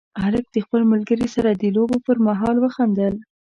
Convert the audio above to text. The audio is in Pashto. هلک د خپل ملګري سره د لوبو پر مهال وخندل.